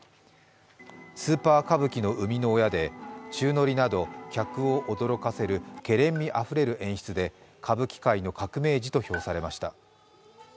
スーパー歌舞伎の生みの親で、宙乗りなど客を驚かせる、けれんみある演出で歌舞伎界の革命児と評されました。